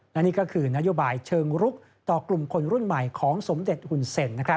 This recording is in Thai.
และนี่ก็คือนโยบายเชิงรุกต่อกลุ่มคนรุ่นใหม่ของสมเด็จหุ่นเซ็น